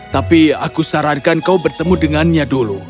tapi aku sarankan kau bertemu dengannya dulu